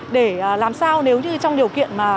để làm sao nếu như trong điều kiện mà